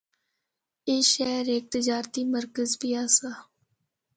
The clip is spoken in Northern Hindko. اے شہر ہک تجارتی مرکز بھی آسا۔